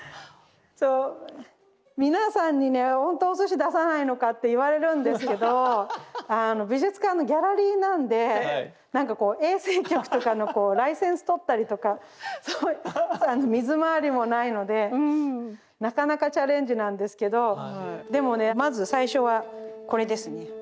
そう皆さんにね「ほんとお寿司出さないのか」って言われるんですけど美術館のギャラリーなんで何かこう衛生局とかのこうライセンス取ったりとか水回りもないのでなかなかチャレンジなんですけどでもねまず最初はこれですね。